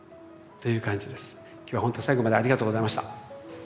今日は本当に最後までありがとうございました。